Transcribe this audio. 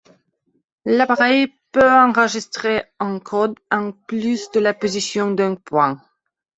L'appareil peut enregistrer un code en plus de la position d'un point.